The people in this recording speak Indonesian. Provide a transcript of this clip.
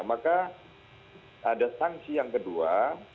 maka ada sanksi yang kedua